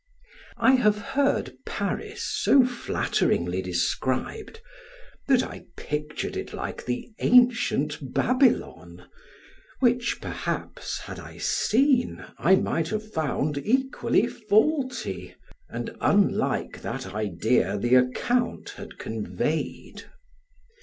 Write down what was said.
I have heard Paris so flatteringly described, that I pictured it like the ancient Babylon, which, perhaps, had I seen, I might have found equally faulty, and unlike that idea the account had conveyed.